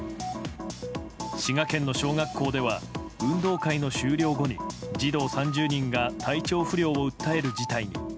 滋賀県の小学校では運動会の終了後に児童３０人が体調不良を訴える事態に。